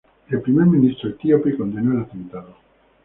El primer ministro etíope condenó el atentado.